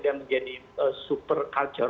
dia menjadi super kalender